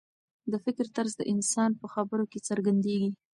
د فکر طرز د انسان په خبرو کې څرګندېږي.